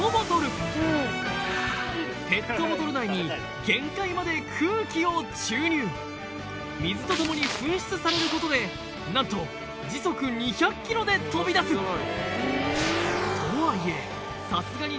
ペットボトル内に限界まで空気を注入水とともに噴出されることで何とで飛び出すとはいえ